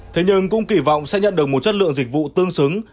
thế nhưng cũng kỳ vọng sẽ nhận được một chất lượng dịch vụ tương xứng